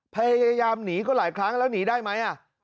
พยายามหนีก็หลายครั้งแล้วหนีได้ไหม